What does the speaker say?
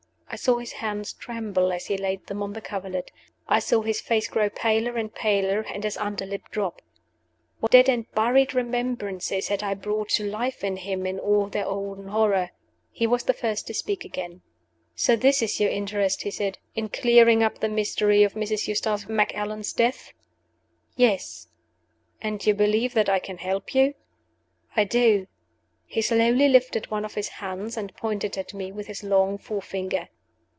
I saw his hands tremble as he laid them on the coverlet; I saw his face grow paler and paler, and his under lip drop. What dead and buried remembrances had I brought to life in him, in all their olden horror? He was the first to speak again. "So this is your interest," he said, "in clearing up the mystery of Mrs. Eustace Macallan's death?" "Yes." "And you believe that I can help you?" "I do." He slowly lifted one of his hands, and pointed at me with his long forefinger.